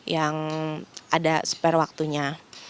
yang ada spare waktunya